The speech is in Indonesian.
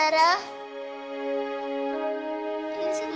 kau fin putri ya sarah